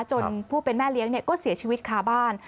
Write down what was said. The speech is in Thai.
จนผู้เป็นแม่เลี้ยงก็เสียชีวิตคาบ้าน